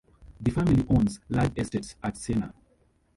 The family owns large estates at Siena.